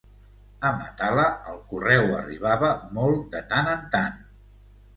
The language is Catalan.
A Matala el correu arribava molt de tant en tant.